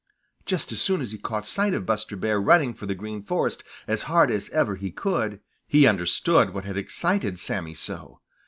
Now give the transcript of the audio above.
Just as soon as he caught sight of Buster Bear running for the Green Forest as hard as ever he could, he understood what had excited Sammy so.